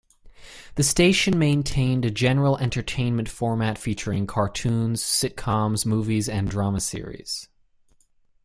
The station maintained a general entertainment format featuring cartoons, sitcoms, movies and drama series.